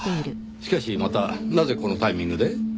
しかしまたなぜこのタイミングで？